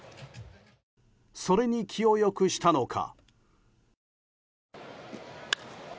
それに気を良くしたのか。